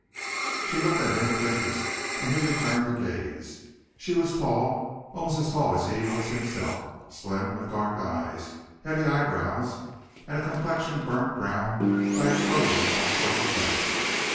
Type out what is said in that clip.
She looked at him with interest, and he returned the gaze. She was tall almost as tall as he was himself slim, with dark eyes, heavy eyebrows, and complexion burnt brown by exposure to all sorts of weathers.